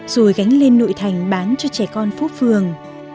rồi gánh lên nội thành bán cho trẻ con phố phường